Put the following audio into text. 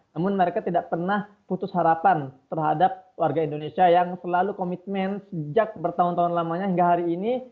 namun mereka tidak pernah putus harapan terhadap warga indonesia yang selalu komitmen sejak bertahun tahun lamanya hingga hari ini